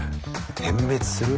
点滅する？